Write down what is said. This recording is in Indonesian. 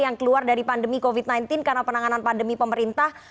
yang keluar dari pandemi covid sembilan belas karena penanganan pandemi pemerintah